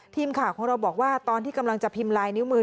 ทีมข่าวของเราบอกว่าตอนที่กำลังจะพิมพ์ลายนิ้วมือ